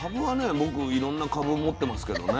僕いろんな株持ってますけどね。